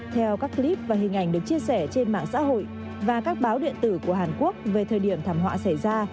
theo các clip và hình ảnh được chia sẻ trên mạng xã hội và các báo điện tử của hàn quốc về thời điểm thảm họa xảy ra